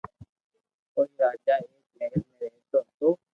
ڪوئي راجا ايڪ مھل ۾ رھتو ھتو